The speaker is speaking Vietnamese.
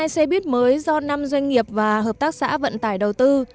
một trăm chín mươi hai xe buýt mới do năm doanh nghiệp và hợp tác xã vận tải đầu tư